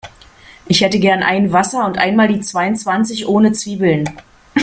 Ich hätte gern ein Wasser und einmal die zweiundzwanzig ohne Zwiebeln.